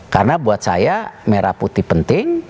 karena buat saya merah putih penting